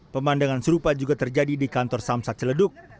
pemandangan serupa juga terjadi di kantor samsat celeduk